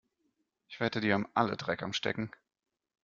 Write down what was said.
Ich wette, die haben alle Dreck am Stecken.